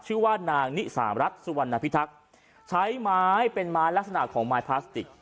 ชื่อว่านางนิสามรัฐสุวรรณพิทักษ์ใช้ไม้เป็นไม้ลักษณะของไม้พลาสติก